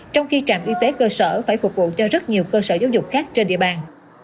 trong khi trạm y tế cơ sở phải phục vụ cho rất nhiều cơ sở giáo dục khác trên địa bàn